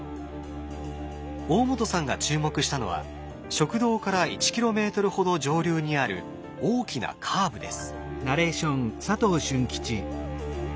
大本さんが注目したのは食堂から１ｋｍほど上流にある大きなカーブです。